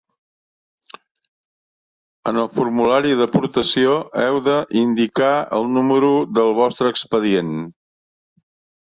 En el formulari d'aportació, heu d'indicar el número del vostre expedient.